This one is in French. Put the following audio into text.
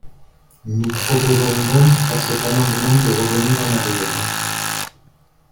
Nous proposons donc, par cet amendement, de revenir en arrière.